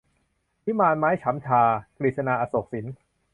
วิมานไม้ฉำฉา - กฤษณา อโศกสิน